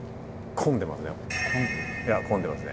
混んでますね